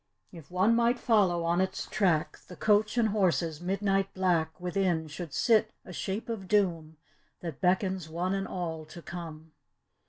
If one might follow on its track. The coach and horses midnight black, Within should sit a shape of doom That beckons one and all to come.